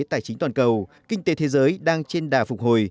tài chính toàn cầu kinh tế thế giới đang trên đà phục hồi